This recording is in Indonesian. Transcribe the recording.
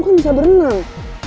kamu bisa beranang